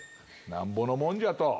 なんぼのもんじゃと。